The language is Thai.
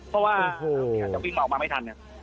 เพราะว่าจะวิ่งออกมาไม่ทัน